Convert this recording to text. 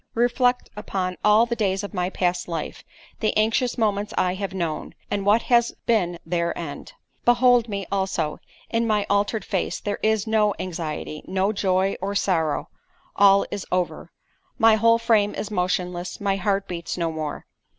Reflect upon all the days of my past life—the anxious moments I have known, and what has been their end. Behold me, also—in my altered face there is no anxiety—no joy or sorrow—all is over.——My whole frame is motionless—my heart beats no more.